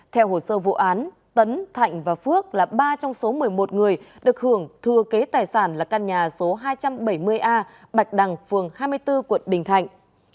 theo hồ sơ vụ án tấn thạnh và phước là ba trong số một mươi một người được hưởng thừa kế tài sản là căn nhà số hai trăm bảy mươi a bạch đằng phường hai mươi bốn quận bình thạnh